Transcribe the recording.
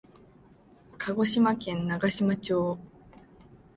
鹿児島県長島町